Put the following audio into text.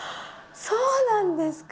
そうなんですか。